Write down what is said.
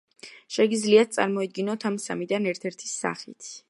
შეგიძლიათ წარმოიდგინოთ ამ სამიდან ერთ-ერთი სახით.